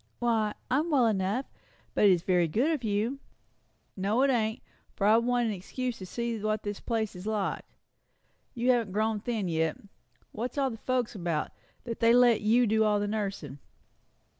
"Why, I'm well enough. But it's very good of you." "No, it ain't, for I wanted an excuse to see what the place is like. You haven't grown thin yet. What's all the folks about, that they let you do all the nursing?"